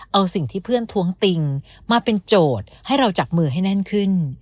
เอาสิ่งที่เพื่อนท้วงติงมาเป็นโจทย์ให้เราจับมือให้แน่นขึ้น